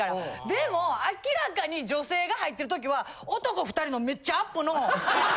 でも明らかに女性が入ってる時は男２人のめっちゃアップの。